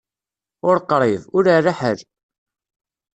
Ur qrib, ur ɛla ḥal.